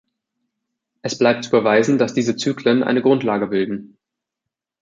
Es bleibt zu beweisen, dass diese Zyklen eine Grundlage bilden.